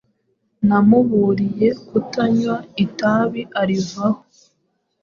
Namuburiye kutanywa itabi arivaho